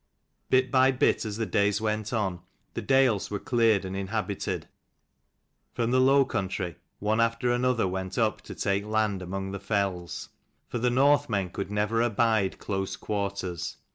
Bit by bit, as the days went on, the dales were cleared and inhabited. From the low country one after another went up to take land among the fells. For the Northmen could never abide close quarters.